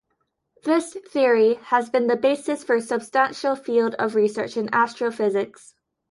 This theory has been the basis for a substantial field of research in astrophysics.